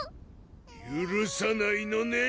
ゆるさないのねん